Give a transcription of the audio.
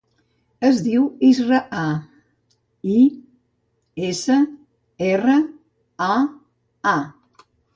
Es diu Israa: i, essa, erra, a, a.